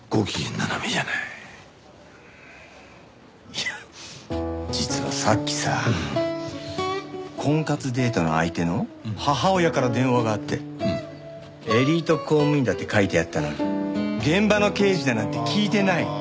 いや実はさっきさ婚活デートの相手の母親から電話があってエリート公務員だって書いてあったのに現場の刑事だなんて聞いてない！